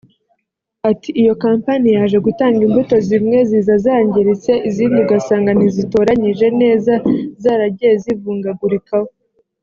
Ati “Iyo kampani yaje gutanga imbuto zimwe ziza zangiritse izindi ugasanga ntizitoranyije neza zaragiye zivungagurikaho